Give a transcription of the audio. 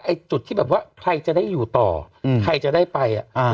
จุดที่แบบว่าใครจะได้อยู่ต่อใครจะได้ไปอ่ะอ่า